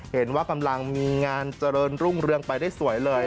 เห็นว่ากำลังมีงานเจริญรุ่งเรืองไปได้สวยเลย